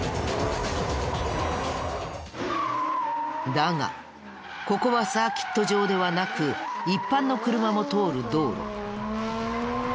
だがここはサーキット場ではなく一般の車も通る道路。